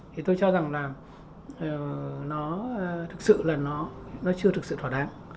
thì tôi cho rằng là nó thực sự là nó chưa thực sự thỏa đáng